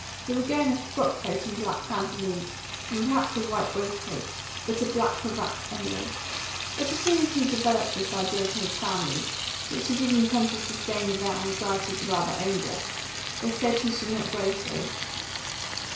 He would go in a frock coat and black pantaloons, and perhaps a white waistcoat, but a black cravat anyway. But as soon as he developed this ideal to his family, which he did in pompous disdain of their anxieties about their own dress, they said he should not go so.